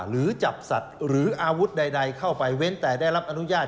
หรือจับสัตว์หรืออาวุธใดเข้าไปเว้นแต่ได้รับอนุญาต